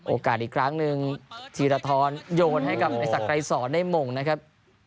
โอกาสอีกครั้งนึงฮิตภัทรโน้นให้กับไอศครายสอนน์ได้มม่วงนะครับ